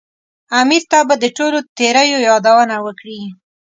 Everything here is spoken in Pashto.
امیر ته به د ټولو تېریو یادونه وکړي.